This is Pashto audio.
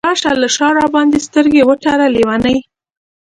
راشه له شاه راباندې سترګې وتړه لیونۍ !